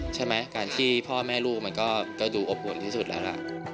ใช่ไหมการที่พ่อแม่ลูกมันก็ดูอบอุ่นที่สุดแล้วล่ะ